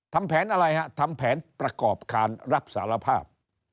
ทำแผนอะไรฮะทำแผนประกอบการรับสารภาพ